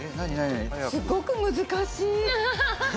すごく難しい。